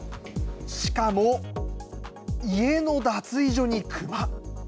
しかも、家の脱衣所にクマ。